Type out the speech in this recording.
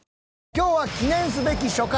今日は記念すべき初回。